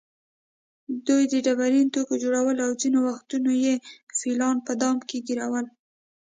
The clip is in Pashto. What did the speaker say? دوی ډبرین توکي جوړول او ځینې وختونه یې فیلان په دام کې ګېرول.